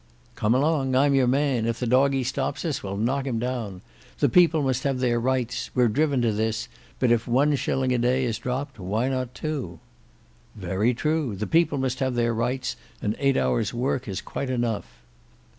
"Come along, I'm your man; if the doggy stop us, we'll knock him down. The People must have their rights; we're driven to this, but if one shilling a day is dropped, why not two?" "Very true; the People must have their rights, and eight hours' work is quite enough."